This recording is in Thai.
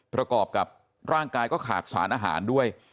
ประกอบกับร่างกายก็ขาดสารอาหารด้วย